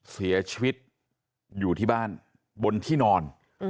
เสียชีวิตอยู่ที่บ้านบนที่นอน